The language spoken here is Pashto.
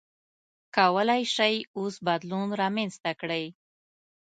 کولای شئ اوس بدلون رامنځته کړئ.